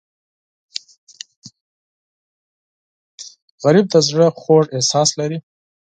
غریب د زړه خوږ احساس لري